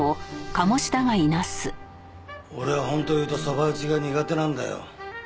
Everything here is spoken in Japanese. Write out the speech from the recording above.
俺は本当を言うとそば打ちが苦手なんだよ。